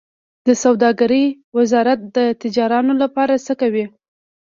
د سوداګرۍ وزارت د تجارانو لپاره څه کوي؟